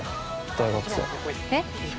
大学生えっ？